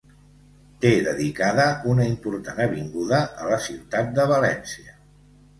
Té dedicada una important avinguda a la ciutat de València.